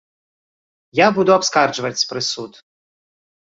Я буду абскарджваць прысуд.